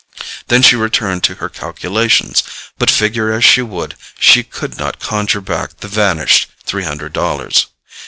Then she returned to her calculations; but figure as she would, she could not conjure back the vanished three hundred dollars.